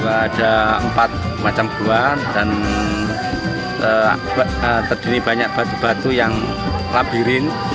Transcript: ada empat macam buah dan terdiri banyak batu batu yang labirin